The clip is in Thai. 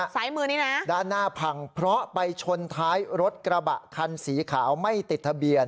ซ้ายมือนี้นะด้านหน้าพังเพราะไปชนท้ายรถกระบะคันสีขาวไม่ติดทะเบียน